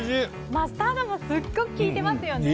マスタードもすごくきいていますよね。